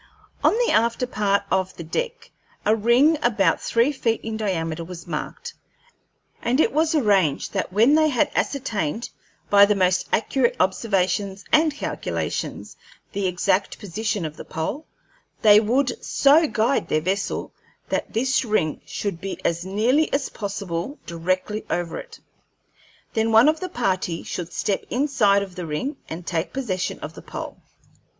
On the after part of the deck a ring about three feet in diameter was marked, and it was arranged that when they had ascertained, by the most accurate observations and calculations, the exact position of the pole, they would so guide their vessel that this ring should be as nearly as possible directly over it. Then one of the party should step inside of the ring and take possession of the pole.